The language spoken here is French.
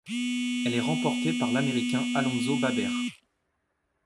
Elle est remportée par l'Américain Alonzo Babers.